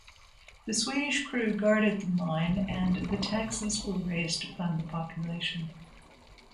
The Swedish crew guarded the mine and the taxes were raised upon the population.